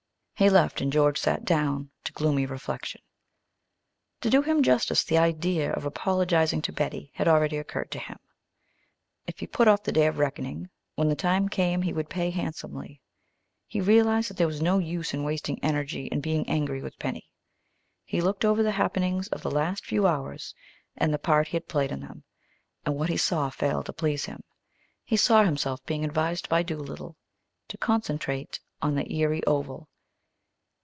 He left, and George sat down to gloomy reflection. To do him justice, the idea of apologizing to Betty had already occurred to him. If he put off the day of reckoning, when the time came he would pay handsomely. He realized that there was no use in wasting energy and being angry with Penny. He looked over the happenings of the last few hours and the part he had played in them, and what he saw failed to please him. He saw himself being advised by Doolittle to concentrate on the Erie Oval.